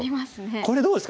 これどうですか。